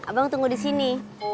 abang tunggu di sini